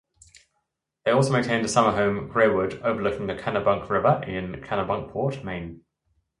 They also maintained a summer home, "Greywood", overlooking the Kennebunk River in Kennebunkport, Maine.